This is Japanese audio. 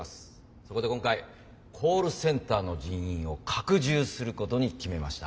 そこで今回コールセンターの人員を拡充することに決めました。